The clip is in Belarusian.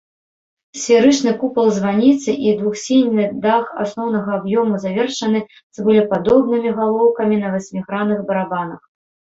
Сферычны купал званіцы і двухсхільны дах асноўнага аб'ёму завершаны цыбулепадобнымі галоўкамі на васьмігранных барабанах.